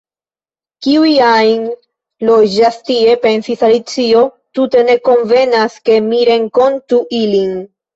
"Kiuj ajn loĝas tie," pensis Alicio, "tute ne konvenas, ke mi renkontu ilin.